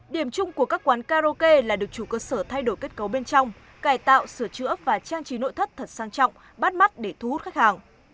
điểm chung của các quán karaoke là được chủ cơ sở thay đổi kết cấu bên trong cải tạo sửa chữa và trang trí nội thất thật sang trọng bắt mắt để thu hút khách hàng